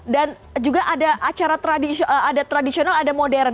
dan juga ada acara tradisional ada modern